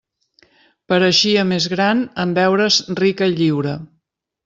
Pareixia més gran en veure's rica i lliure.